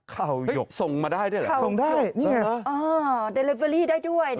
เข่าหยกส่งมาได้ด้วยเหรอส่งได้นี่เหรอเดลิเวอรี่ได้ด้วย